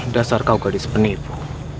dasar kau gadis penipu